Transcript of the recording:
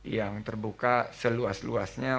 yang terbuka seluas luasnya